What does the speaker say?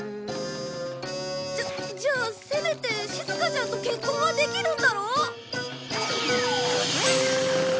じゃじゃあせめてしずかちゃんと結婚はできるんだろ？